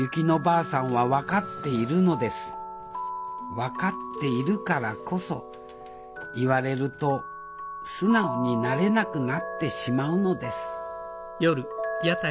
分かっているからこそ言われると素直になれなくなってしまうのですはい。